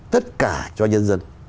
tất cả cho nhân dân